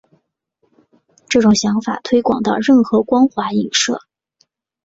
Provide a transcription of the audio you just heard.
这种想法推广到任何光滑映射。